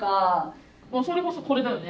もうそれこそこれだよね